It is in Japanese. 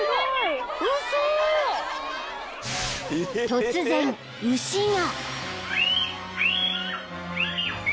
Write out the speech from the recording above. ［突然牛が］